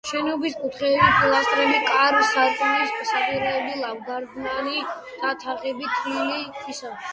შენობის კუთხეები, პილასტრები, კარ-სარკმლის საპირეები, ლავგარდანი და თაღები თლილი ქვისაა.